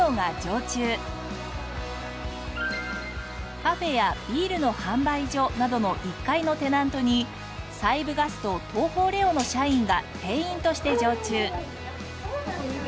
カフェやビールの販売所などの１階のテナントに西部ガスと東邦レオの社員が店員として常駐。